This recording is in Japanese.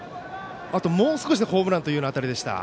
もう少しでホームランという当たりでした。